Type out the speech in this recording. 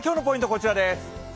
こちらです。